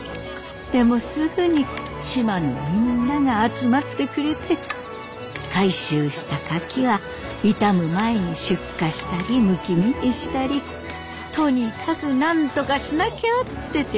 でもすぐに島のみんなが集まってくれて回収したカキは傷む前に出荷したりむき身にしたりとにかくなんとかしなきゃって手伝ってくれています。